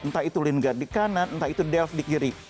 entah itu lingard di kanan entah itu delph di kiri